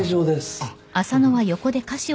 あっ。